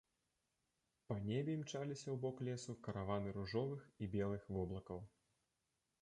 Па небе імчаліся ў бок лесу караваны ружовых і белых воблакаў.